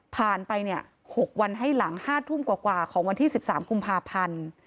ไป๖วันให้หลัง๕ทุ่มกว่าของวันที่๑๓กุมภาพันธ์